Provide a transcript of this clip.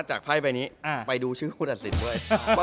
จากไพ่ไปนี้ไปดูชื่ออุดัชศิษย์